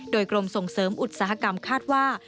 โดยกรมส่งเสริมอุตสาหกรรมคาดว่า